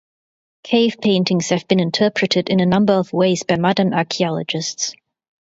Cave paintings have been interpreted in a number of ways by modern archaeologists.